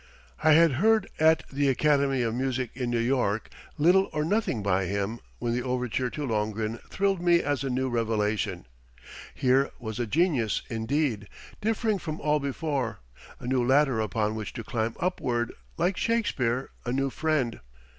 I had heard at the Academy of Music in New York, little or nothing by him when the overture to "Lohengrin" thrilled me as a new revelation. Here was a genius, indeed, differing from all before, a new ladder upon which to climb upward like Shakespeare, a new friend.